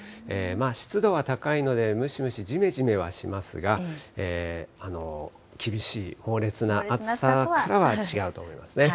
湿度は高いので、ムシムシ、じめじめはしますが、厳しい猛烈な暑さからは違うと思いますね。